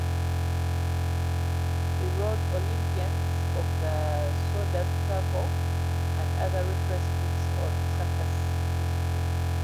He wrote "Olympians of the Sawdust Circle" and other reference books on circus history.